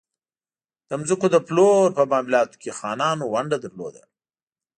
د ځمکو د پلور په معاملاتو کې خانانو ونډه درلوده.